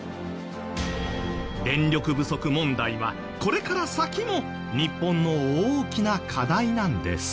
電力不足問題はこれから先も日本の大きな課題なんです。